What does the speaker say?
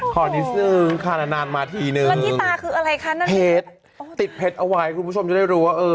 ขอดีซึงคานานมาทีนึงมันที่ตาคืออะไรคะติดเพชรเอาไว้คุณผู้ชมจะได้รู้ว่า